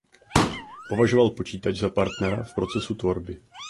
Považoval počítač za partnera v procesu tvorby.